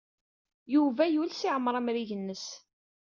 Yuba yules iɛemmeṛ amrig-nnes.